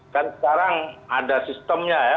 kan sekarang ada sistemnya ya